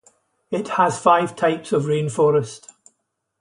It has five types of rainforest.